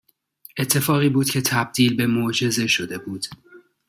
اتفاقی بود که تبدیل به معجزه شده بود